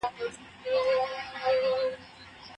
کوربه هیواد سرحدي امنیت نه کمزوری کوي.